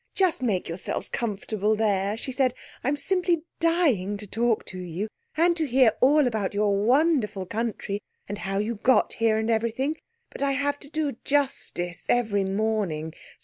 "Just make yourselves comfortable there," she said. "I'm simply dying to talk to you, and to hear all about your wonderful country and how you got here, and everything, but I have to do justice every morning.